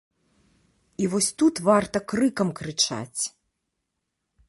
І вось тут варта крыкам крычаць.